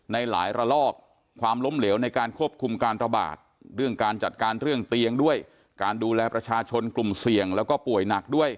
ในหลายระลอกความล้มเหลวในการควบคุมการระบาดเพราะการจัดการเรื่องเตียงดรูแลกลุ่มโซนเสี่ยงและป่วยหนัก